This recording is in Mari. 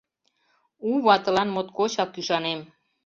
— У ватылан моткочак ӱшанем.